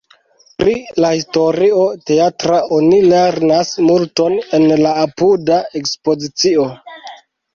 Pri la historio teatra oni lernas multon en la apuda ekspozicio.